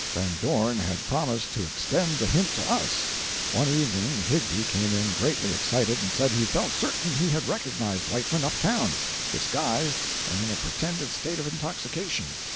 Van Dorn had promised to extend the hint to us. One evening Higbie came in greatly excited, and said he felt certain he had recognized Whiteman, up town, disguised and in a pretended state of intoxication.